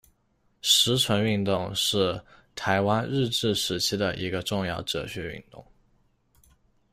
实存运动是台湾日治时期的一个重要哲学运动。